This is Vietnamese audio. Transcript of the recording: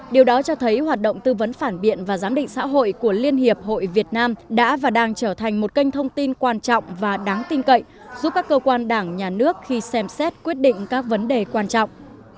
điều đó cho thấy hoạt động tư vấn phản biện và giám định xã hội của liên hiệp hội việt nam đã và đang trở thành một kênh thông tin quan trọng và đáng tin cậy giúp các cơ quan đảng nhà nước khi xem xét quyết định các vấn đề quan trọng